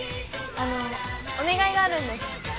あのお願いがあるんです。